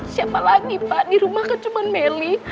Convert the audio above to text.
siapa lagi pak di rumah kan cuma melly